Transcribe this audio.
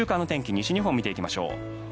西日本を見ていきましょう。